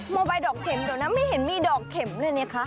โมบายดอกเข็มเดี๋ยวนั้นไม่เห็นมีดอกเข็มเลยนะคะ